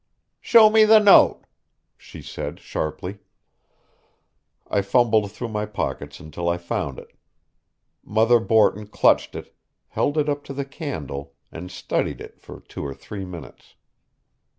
"Show me the note," she said sharply. I fumbled through my pockets until I found it. Mother Borton clutched it, held it up to the candle, and studied it for two or three minutes.